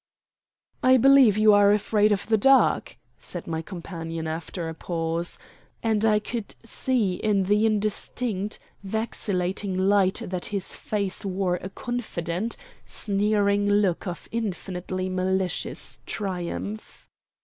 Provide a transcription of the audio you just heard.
"I believe you are afraid of the dark," said my companion after a pause; and I could see in the indistinct, vacillating light that his face wore a confident, sneering look of infinitely malicious triumph.